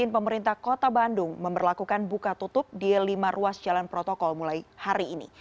pemerintah kota bandung memperlakukan buka tutup di lima ruas jalan protokol mulai hari ini